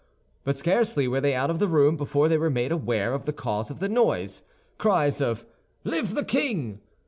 But scarcely were they out of the room before they were made aware of the cause of this noise. Cries of "Live the king!